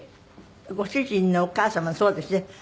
ご主人のお母様そうですね。